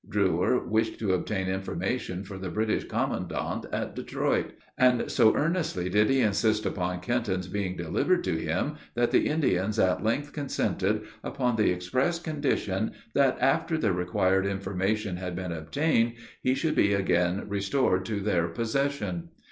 Drewyer wished to obtain information for the British commandant at Detroit; and so earnestly did he insist upon Kenton's being delivered to him, that the Indians at length consented, upon the express condition that, after the required information had been obtained, he should be again restored to their possession.